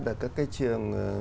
đã các cái trường